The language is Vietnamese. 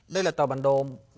đây là tờ bản đồ